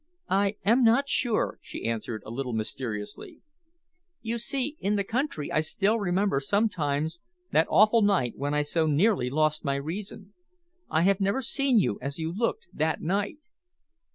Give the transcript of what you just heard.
"I am not sure," she answered, a little mysteriously. "You see, in the country I still remember sometimes that awful night when I so nearly lost my reason. I have never seen you as you looked that night."